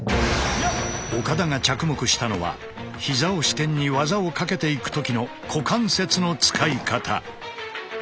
岡田が着目したのはひざを支点に技をかけていく時の股関節の使い方。